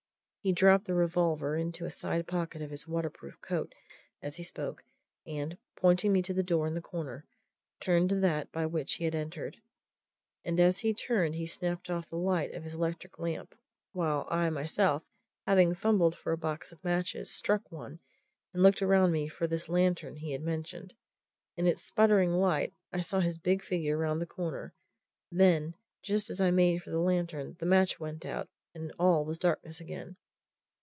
He dropped the revolver into a side pocket of his waterproof coat as he spoke, and, pointing me to the door in the corner, turned to that by which he had entered. And as he turned he snapped off the light of his electric lamp, while I myself, having fumbled for a box of matches, struck one and looked around me for this lantern he had mentioned. In its spluttering light I saw his big figure round the corner then, just as I made for the lantern, the match went out and all was darkness again.